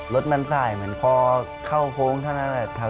รถมันสายเหมือนพอเข้าโค้งเท่านั้นแหละ